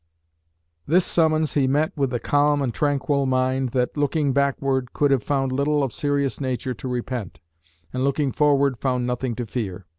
This summons he met with the calm and tranquil mind, that, looking backward, could have found little of serious nature to repent, and looking forward, found nothing to fear.